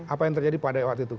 apa yang terjadi pada waktu itu